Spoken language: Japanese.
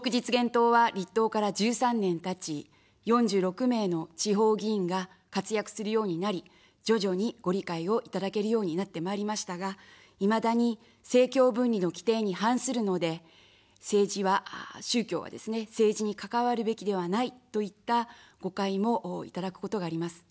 党は、立党から１３年たち４６名の地方議員が活躍するようになり、徐々にご理解をいただけるようになってまいりましたが、いまだに政教分離の規定に反するので、政治は、宗教はですね、政治に関わるべきではないといった誤解もいただくことがあります。